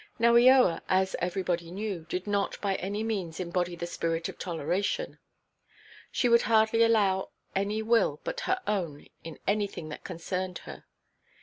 Now Eoa, as everybody knew, did not by any means embody the spirit of toleration. She would hardly allow any will but her own in anything that concerned her.